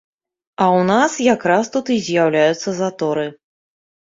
А ў нас якраз тут і з'яўляюцца заторы.